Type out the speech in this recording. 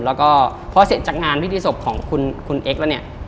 แล้วก็พอเสร็จจากงานพิธีศพของคุณเอ็กซ์แล้วเนี่ย